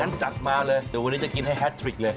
จัดมาเลยเดี๋ยววันนี้จะกินให้แฮทริกเลย